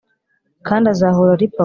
kandi azahora ari papa.